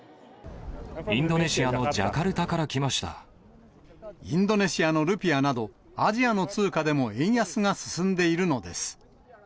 インドネシアのジャカルタかインドネシアのルピアなど、アジアの通貨でも円安が進んでいるのです。